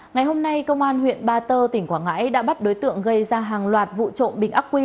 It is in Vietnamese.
ngày hôm nay công an huyện ba tơ tỉnh quảng ngãi đã bắt đối tượng gây ra hàng loạt vụ trộm bình ác quy